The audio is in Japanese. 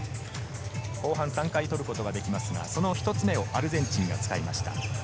後半３回取ることができますが、その１つ目をアルゼンチンが使いました。